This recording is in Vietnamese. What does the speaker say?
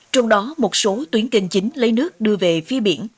trong đó một số tuyến kênh chính lấy nước đưa về phía biển